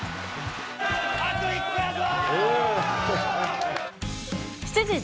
あと１勝やぞ！